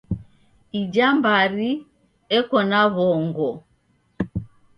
Ija mbari eko na w'ongo.